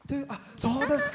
そうですか。